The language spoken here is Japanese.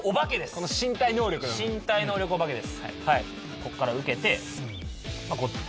ここから受けて。